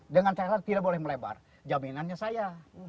dengan thailand tidak boleh melebar jaminannya saya